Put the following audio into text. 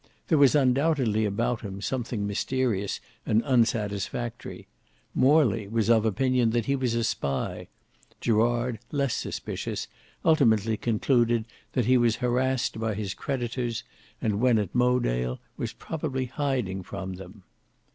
There was undoubtedly about him something mysterious and unsatisfactory. Morley was of opinion that he was a spy; Gerard, less suspicious, ultimately concluded that he was harassed by his creditors, and when at Mowedale was probably hiding from them.